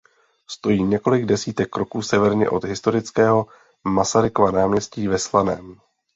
Stojí několik desítek kroků severně od historického "Masarykova náměstí" ve Slaném.